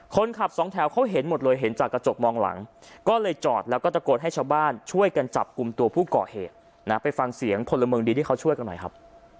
คนขับสองแถวเขาเห็นหมดเลยเห็นจากกระจกมองหลังก็เลยจอดแล้วก็ตะโกนให้ชาวบ้านช่วยกันจับกลุ่มตัวผู้ก่อเหตุนะไปฟังเสียงพลเมืองดีที่เขาช่วยกันหน่อยครับ